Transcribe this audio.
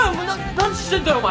何してんだよお前！